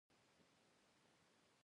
کابل پوهنتون په کوم کال تاسیس شو؟